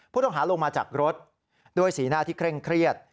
ผู้ต้องหาลงมาจากรถด้วยสีหน้าที่เคร่งเครียด